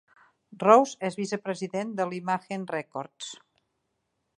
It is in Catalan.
Rose és vicepresident d'Imagen Records.